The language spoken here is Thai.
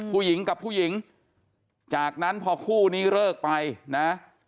ผู้หญิงกับผู้หญิงจากนั้นพอคู่นี้เลิกไปนะ